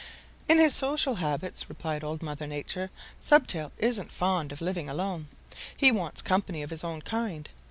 "In his social habits," replied Old Mother Nature. "Stubtail isn't fond of living alone. He wants company of his own kind.